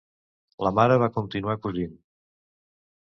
La mare va continuar cosint.